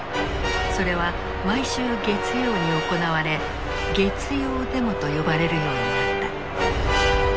それは毎週月曜に行われ「月曜デモ」と呼ばれるようになった。